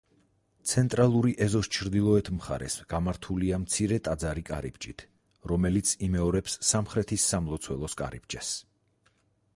ცენტრალური ეზოს ჩრდილოეთ მხარეს გამართულია მცირე ტაძარი კარიბჭით, რომელიც იმეორებს სამხრეთის სამლოცველოს კარიბჭეს.